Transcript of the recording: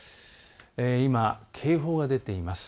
今、警報が出ています。